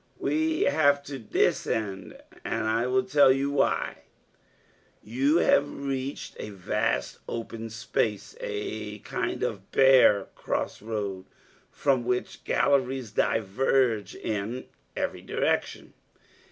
.......... "We have to descend, and I will tell you why. You have reached a vast open space, a kind of bare crossroad, from which galleries diverge in every direction.